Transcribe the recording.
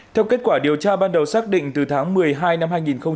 theo kết quả điều tra ban đầu xác định từ tháng một mươi hai năm hai nghìn hai mươi